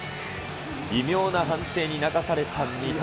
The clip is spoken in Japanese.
微妙な判定に泣かされた三笘。